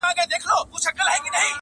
یو له بله یې په وینو وه لړلي -